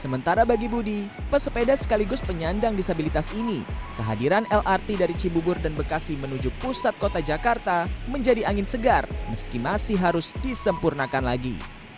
sementara bagi budi pesepeda sekaligus penyandang disabilitas ini kehadiran lrt dari cibubur dan bekasi menuju pusat kota jakarta menjadi angin segar meski masih harus disempurnakan lagi